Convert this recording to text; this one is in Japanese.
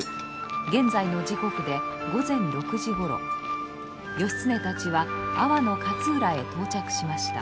現在の時刻で午前６時ごろ義経たちは阿波の勝浦へ到着しました。